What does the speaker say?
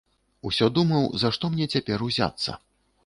Усё думаў, за што мне цяпер узяцца.